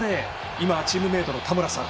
今はチームメートの田村さん